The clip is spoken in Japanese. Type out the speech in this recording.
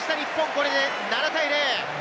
これで７対０！